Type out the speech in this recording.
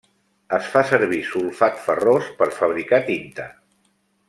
Es fa servir sulfat ferrós per fabricar tinta.